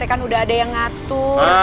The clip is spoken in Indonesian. kan udah ada yang ngatur